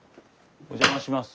お邪魔します。